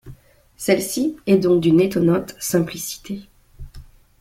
Celle-ci est donc d'une étonnante simplicité.